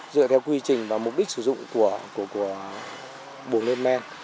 dựa theo quy trình và mục đích sử dụng của buồng lên men